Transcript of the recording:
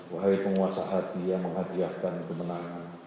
wahai penguasa hati yang menghadiahkan kemenangan